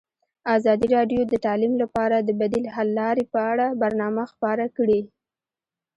ازادي راډیو د تعلیم لپاره د بدیل حل لارې په اړه برنامه خپاره کړې.